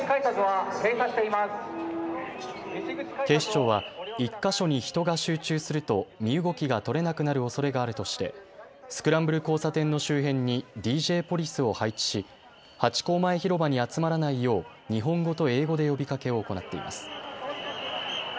警視庁は１か所に人が集中すると身動きが取れなくなるおそれがあるとしてスクランブル交差点の周辺にＤＪポリスを配置しハチ公前広場に集まらないよう日本語と英語で呼びかけを行っています。